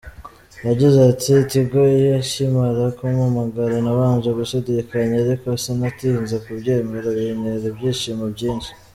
Yagize ati “Tigo ikimara kumpamagara nabanje gushidikanya, ariko sinatinze kubyemera, bintera ibyishimo byinshi.